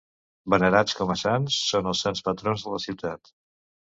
Venerats com a sants, són els sants patrons de la ciutat.